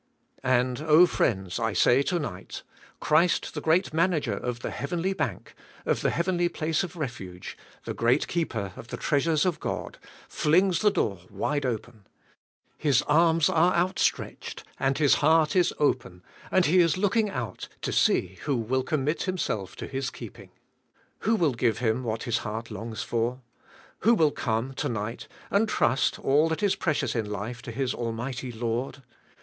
And, oh friends, I say, to night; Christ, the great manager of the heavenly bank, of the heavenly place of refuge, the great keeper of the treasures of God, flings the door wide open. His arms are out stretched and His heart is open and He is looking out to see who will commit himself to His keeping. Who will give Him what His heart longs for? Who will come, to night and trust all that is precious in life to his Almighty Lord?